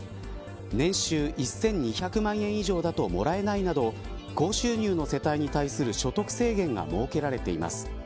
年収１２００万円以上だともらえないなど高収入の世帯に対する所得制限が設けられています。